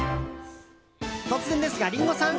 突然ですがリンゴさん！